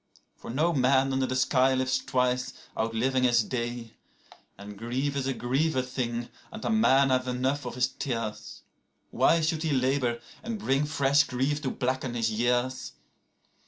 32For no man under the sky lives twice, outliving his day.33And grief is a grievous thing, and a man hath enough of his tears:34Why should he labour, and bring fresh grief to blacken his years?